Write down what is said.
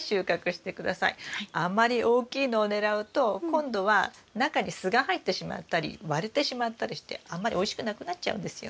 あんまり大きいのをねらうと今度は中にすが入ってしまったり割れてしまったりしてあんまりおいしくなくなっちゃうんですよ。